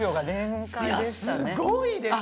いやすごいです。